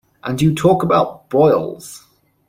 And you talk about boils!